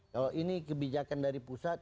kalau ini kebijakan dari pusat